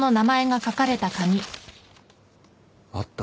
あった。